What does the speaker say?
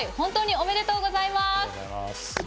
おめでとうございます。